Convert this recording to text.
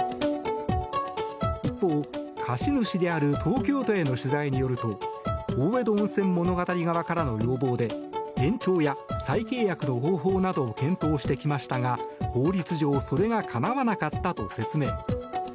一方、貸主である東京都への取材によると大江戸温泉物語側からの要望で延長や再契約の方法などを検討してきましたが法律上それがかなわなかったと説明。